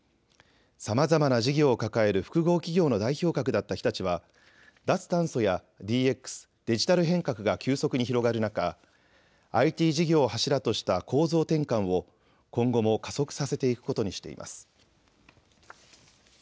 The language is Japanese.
さまざまな事業を抱える複合企業の代表格だった日立は脱炭素やＤＸ・デジタル変革が急速に広がる中、ＩＴ事業を柱とした構造転換を今後も加速させていくことにしています。